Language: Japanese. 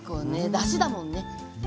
だしだもんねはい。